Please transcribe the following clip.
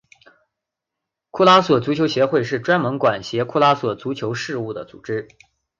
库拉索足球协会是专门管辖库拉索足球事务的组织。